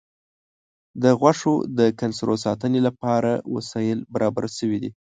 د غوښو د کنسرو ساتنې لپاره وسایل برابر شوي دي.